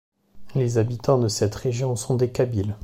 Les habitants de cette région sont des kabyles.